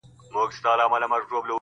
• د سکندر لېچي وې ماتي -